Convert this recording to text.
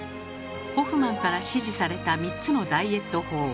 ホフマンから指示された３つのダイエット法。